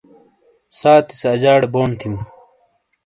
سانتی سے اجاڑے بونڈ تھِیوں ۔